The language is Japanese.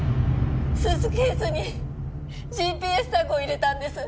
スーツケースにＧＰＳタグを入れたんです